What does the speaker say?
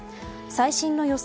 最新の予想